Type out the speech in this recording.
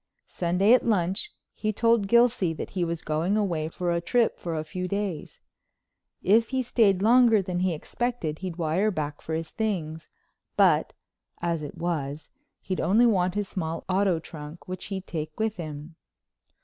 Sunday at lunch he told Gilsey that he was going away for a trip for a few days. If he stayed longer than he expected he'd wire back for his things, but, as it was, he'd only want his small auto trunk, which he'd take with him.